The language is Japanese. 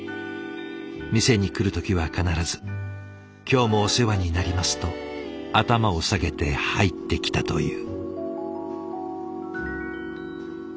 店に来る時は必ず「今日もお世話になります」と頭を下げて入ってきたという。